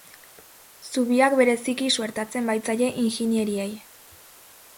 Zubiak bereziki suertatzen baitzaie injinieriei.